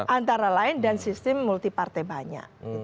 antara lain dan sistem multi partai banyak